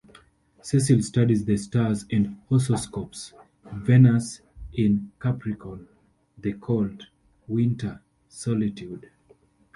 Cecile studies the stars and horsoscopes: "Venus in Capricorn - the cold, winter solitude..."